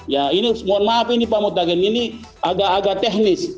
ya ini mohon maaf ini pak mutagen ini agak agak teknis